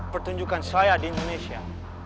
pertunjukan saya di indonesia